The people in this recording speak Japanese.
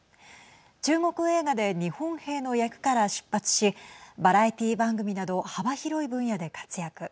中国映画で日本兵の役から出発しバラエティー番組など幅広い分野で活躍。